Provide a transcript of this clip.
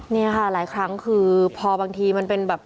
นี่ค่ะหลายครั้งคือพอบางทีมันเป็นแบบ